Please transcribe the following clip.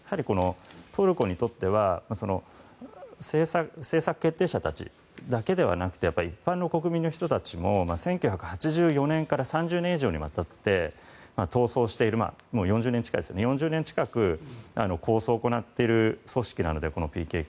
トルコにとっては政策決定者たちだけではなくて一般の国民の人たちも１９８４年から３０年以上にわたって４０年近く抗争を行っている組織なのでＰＫＫって。